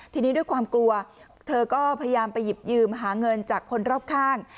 ทีนี้ด้วยความกลัวเธอก็พยายามไปหยิบยืมหาเงินจากคนรอบข้าง